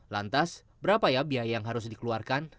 lantas berapa ya biaya yang harus dikeluarkan